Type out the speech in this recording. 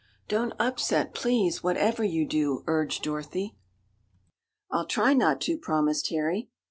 "Don't upset, please, whatever you do," urged Dorothy. "I'll try not to," promised Harry.